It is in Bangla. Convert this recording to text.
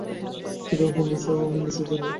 দৃঢ় হউন, ঈর্ষা ও স্বার্থপরতা বিসর্জন দিন।